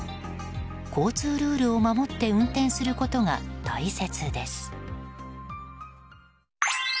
交通ルールを守って運転することが大切です。